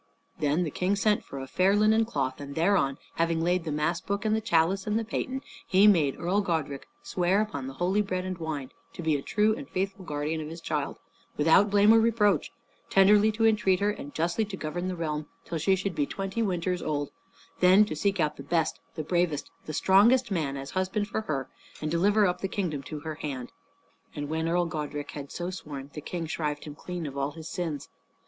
Then the King sent for a fair linen cloth, and thereon having laid the mass book and the chalice and the paton, he made Earl Godrich swear upon the holy bread and wine to be a true and faithful guardian of his child, without blame or reproach, tenderly to entreat her, and justly to govern the realm till she should be twenty winters old; then to seek out the best, the bravest, and the strongest man as husband for her and deliver up the kingdom to her hand. And when Earl Godrich had so sworn, the King shrived him clean of all his sins.